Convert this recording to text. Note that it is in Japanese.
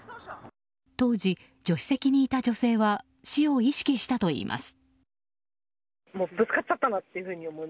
当時、助手席にいた女性は死を意識したといいます。